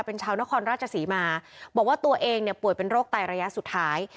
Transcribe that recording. เป็นชาวนครราชศรีมาบอกว่าตัวเองเนี่ยป่วยเป็นโรคไตระยะสุดท้าย